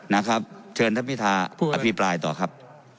นะครับเชิญท่านพิธาอภิปรายต่อครับ